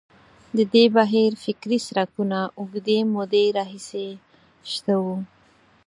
د دې بهیر فکري څرکونه اوږدې مودې راهیسې شته وو.